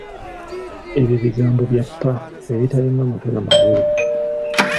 Ebyo bigambo bya ppa ebitalina mutwe n'amagulu.